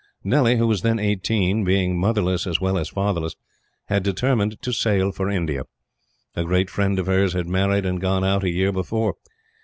Nellie, who was then eighteen, being motherless as well as fatherless, had determined to sail for India. A great friend of hers had married and gone out, a year before.